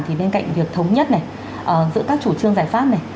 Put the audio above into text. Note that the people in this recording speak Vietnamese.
thì bên cạnh việc thống nhất này giữa các chủ trương giải pháp này